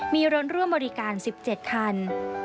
มีรถร่วมบริการ๑๗คัน